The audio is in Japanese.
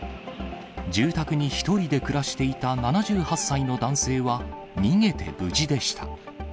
住宅に１人で暮らしていた７８歳の男性は、逃げて無事でした。